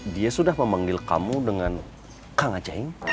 dia sudah memanggil kamu dengan kang aceh